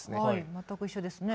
全く一緒ですね。